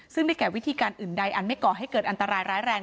ซึ่งได้แก่วิธีการอื่นใดอันไม่ก่อให้เกิดอันตรายร้ายแรง